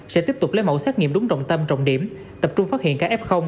sẽ tiếp tục lấy mẫu xét nghiệm đúng trọng tâm trọng điểm tập trung phát hiện ca f